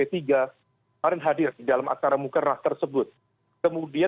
dan juga pak soehara